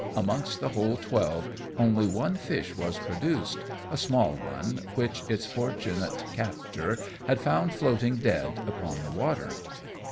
Amongst the whole twelve only one fish was produced a small one, which its fortunate captor had found floating, dead, upon the water.